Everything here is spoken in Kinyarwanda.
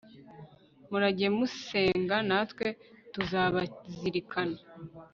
murajye musenga natwe tuzabazirikana